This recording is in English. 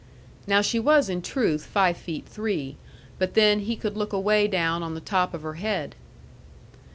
Now she was in truth five feet three; but then he could look away down on the top of her head.